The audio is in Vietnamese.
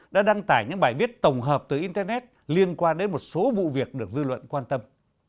đã đăng tải những bài viết tổng hợp từ internet liên quan đến một số vụ việc được dư luận quan tâm